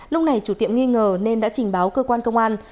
lúc này chủ tiệm nghi ngờ nên đã trình báo cơ quan công an